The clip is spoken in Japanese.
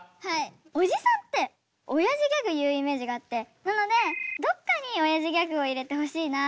おじさんっておやじギャグ言うイメージがあってなのでどっかにおやじギャグを入れてほしいなと思って。